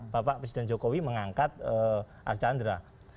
bapak presiden jokowi mengangkat archandra